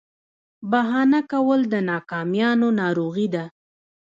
بهانه کول د ناکامیانو ناروغي ده.